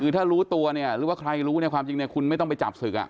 คือถ้ารู้ตัวหรือว่าใครรู้ความจริงคุณไม่ต้องไปจับศึก